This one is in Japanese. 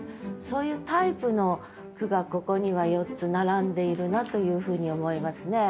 そういうタイプの句がここには４つ並んでいるなというふうに思いますね。